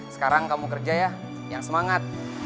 sekarang kamu kerja ya yang semangat